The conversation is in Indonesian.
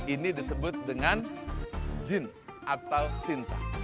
ini disebut dengan jin atau cinta